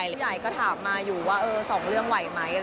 ผู้ใหญ่ก็ถามมาอยู่ว่าสองเรื่องไหวไหม